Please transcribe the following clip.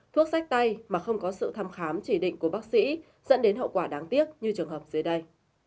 thuốc sách tay mà không có sự thăm khám chỉ định của bác sĩ dẫn đến hậu quả đáng tiếc như trường hợp dưới đây